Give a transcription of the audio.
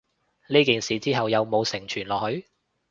呢件事之後有無承傳落去？